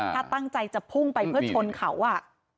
ถ้าตั้งใจจะพุ่งไปเพื่อชนเขาอ่ะ